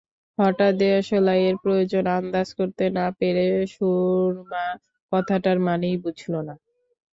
হঠাৎ দেশালাইয়ের প্রয়োজন আন্দাজ করতে না পেরে সুরমা কথাটার মানেই বুঝল না।